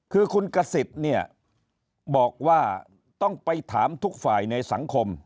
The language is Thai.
คือคุณกษิตเนี่ยบอกว่าต้องไปถามทุกฝ่ายในสังคม